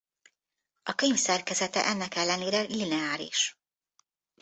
A könyv szerkezete ennek ellenére lineáris.